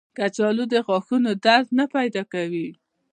کچالو د غاښونو درد نه پیدا کوي